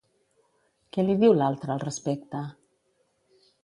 Què li diu l'altre al respecte?